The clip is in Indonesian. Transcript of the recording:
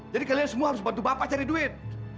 jadi kalian semua harus bantu bapak cari duit